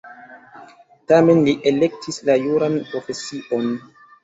Tamen li elektis la juran profesion.